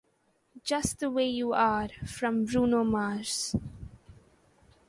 "Just The Way You Are" from Bruno Mars.